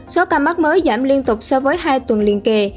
số ca mắc mới giảm liên tục so với hai tuần liên kề